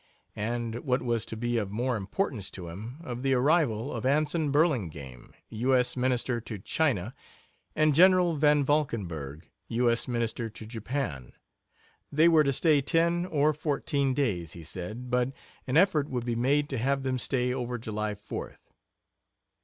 and, what was to be of more importance to him, of the arrival of Anson Burlingame, U. S. Minister to China, and Gen. Van Valkenburgh, U. S. Minister to Japan. They were to stay ten or fourteen days, he said, but an effort would be made to have them stay over July 4th.